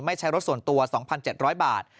ใช้รถส่วนตัว๒๗๐๐บาท